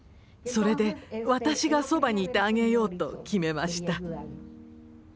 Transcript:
それで私がそばにいてあげようと決めました。